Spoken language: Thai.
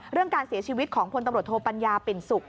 เรื่องการเสียชีวิตของพลตำรวจโทปัญญาปิ่นสุข